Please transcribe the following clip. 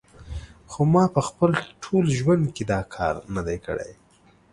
خو ما په خپل ټول ژوند کې دا کار نه دی کړی